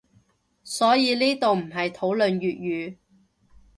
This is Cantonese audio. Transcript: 所以呢度唔係討論粵語